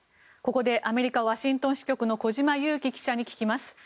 ここでアメリカ・ワシントン支局の小島佑樹記者に聞きます。